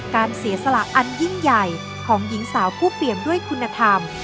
เสียสละอันยิ่งใหญ่ของหญิงสาวผู้เปลี่ยนด้วยคุณธรรม